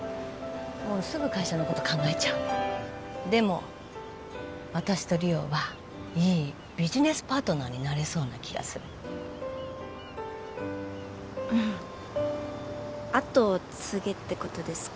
すぐ会社のこと考えちゃうでも私と梨央はいいビジネスパートナーになれそうな気がする後を継げってことですか？